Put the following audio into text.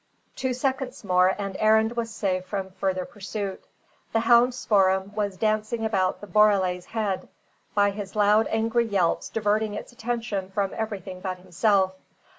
Two seconds more and Arend was safe from further pursuit. The hound Spoor'em was dancing about the borele's head, by his loud, angry yelps diverting its attention from everything but himself.